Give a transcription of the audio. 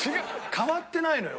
変わってないのよ